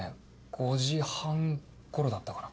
５時半頃だったかな。